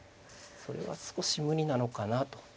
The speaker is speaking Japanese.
それは少し無理なのかなと。